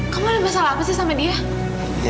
kamu ada masalah apa sih sama dia